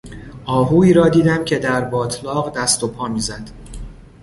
آهویی را دیدم که در باتلاق دست و پا میزد.